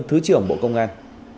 thứ trưởng bộ công an